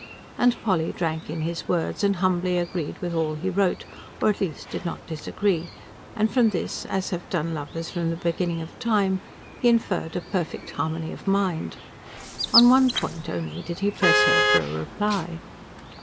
And Polly drank in his words, and humbly agreed with all he wrote, or at least did not disagree; and, from this, as have done lovers from the beginning of time, he inferred a perfect harmony of mind. On one point only did he press her for a reply.